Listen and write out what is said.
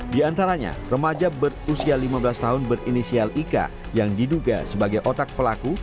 di antaranya remaja berusia lima belas tahun berinisial ika yang diduga sebagai otak pelaku